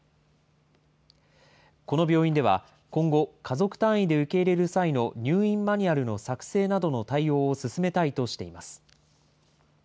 この病院では今後、家族単位で受け入れる際の入院マニュアルの作成などを対応を進めたいとしています。